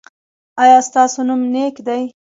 ایا ستاسو نوم نیک دی؟